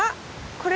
これ。